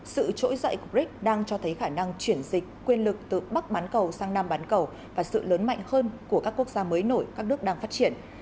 sự trỗi dậy của brics đang cho thấy khả năng chuyển dịch quyền lực từ bắc bán cầu sang nam bán cầu và sự lớn mạnh hơn của các quốc gia mới nổi các nước đang phát triển